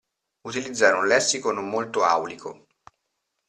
Utilizzare un lessico non molto aulico.